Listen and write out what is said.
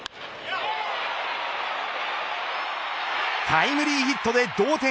タイムリーヒットで同点。